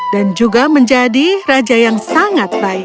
dan juga menjadi raja yang sangat baik